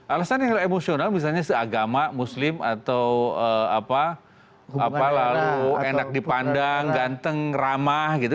alasan yang emosional misalnya seagama muslim atau apa lalu enak dipandang ganteng ramah gitu